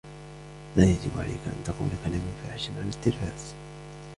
لا يجب عليك أن تقول كلاما فاحشا على التلفاز.